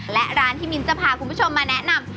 และร้านที่มิ้นจะพาคุณผู้ชมมาแนะนำ